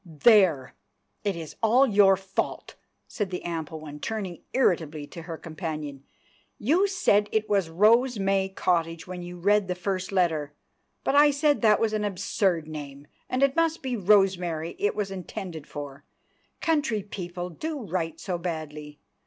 "There! It's all your fault," said the ample one, turning irritably to her companion; "you said it was Rose May Cottage when you read the first letter: but I said that was an absurd name, and it must be Rosemary it was intended for—country people do write so badly.